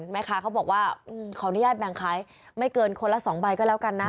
แม่ค้าเขาบอกว่าขออนุญาตแบ่งขายไม่เกินคนละ๒ใบก็แล้วกันนะ